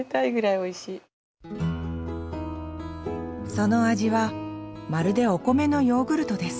その味はまるでお米のヨーグルトです。